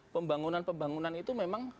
pembangunan pembangunan itu memang